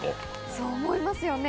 そう思いますよね。